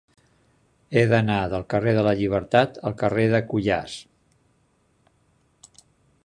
He d'anar del carrer de la Llibertat al carrer de Cuyàs.